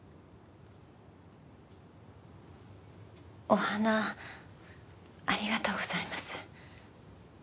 お花ありがとうございます。